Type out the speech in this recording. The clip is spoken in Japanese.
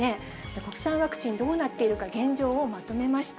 国産ワクチン、どうなっているか現状をまとめました。